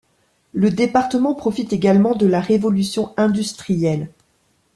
Le département profite également de la Révolution industrielle.